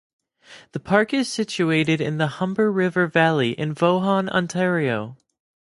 The park is situated in the Humber River valley, in Vaughan, Ontario.